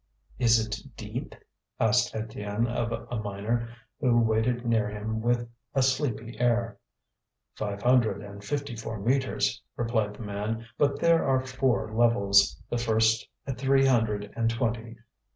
"Is it deep?" asked Étienne of a miner, who waited near him with a sleepy air. "Five hundred and fifty four metres," replied the man. "But there are four levels, the first at three hundred and twenty."